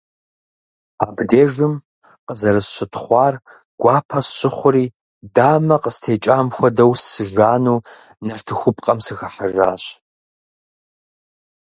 Абдежым къызэрысщытхъуар гуапэ сщыхъури, дамэ къыстекӀам хуэдэу, сыжану, нартыхупкъэм сыхыхьэжащ.